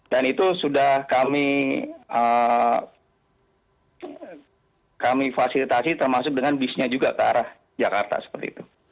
dan itu sudah kami fasilitasi termasuk dengan bisnya juga ke arah jakarta seperti itu